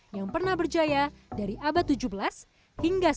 yang pernah berjaya dari abad tujuh belas hingga seribu sembilan ratus